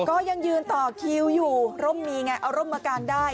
ก็ยังยืนต่อคิวอยู่ร่มมีไงเอาร่มมาการได้